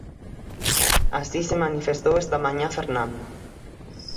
Así se manifestou esta mañá Fernando.